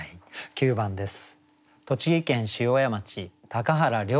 ９番です。